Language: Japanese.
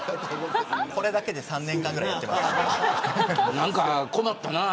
これだけで３年間ぐらいやってます。